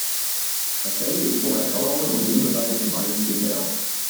Das Fell ist oberseits graubraun und unterseits weiß gefärbt.